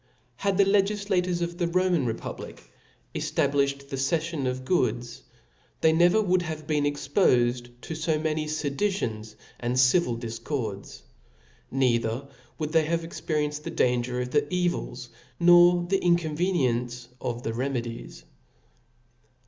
Had the legifiators of the Roman republic efta* blifhed the cefiion of goods f , they never would have been expofed to fd many fedicions and civil diicords 1 neither would they have experienced the danger of the evils, nor the inconveniency of the remedies.